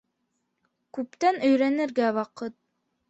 Күптән өйрәнергә ваҡыт.